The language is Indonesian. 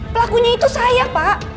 pelakunya itu saya pak